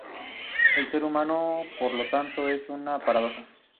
El ser humano, por lo tanto, es una paradoja.